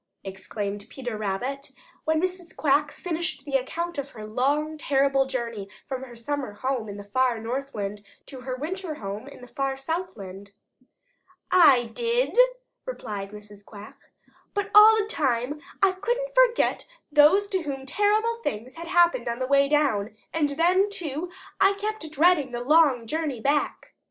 exclaimed Peter Rabbit when Mrs. Quack finished the account of her long, terrible journey from her summer home in the far Northland to her winter home in the far Southland. "I did," replied Mrs. Quack, "but all the time I couldn't forget those to whom terrible things had happened on the way down, and then, too, I kept dreading the long journey back."